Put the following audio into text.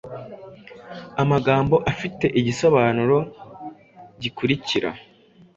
amagambo afite igisobanuro gikurikira: